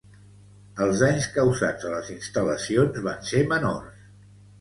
Els danys causats a les instal·lacions van ser menors.